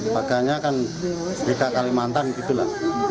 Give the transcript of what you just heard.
pakaiannya kan rika kalimantan gitu lah